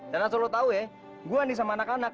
dan asal lo tau ya gue nih sama anak anak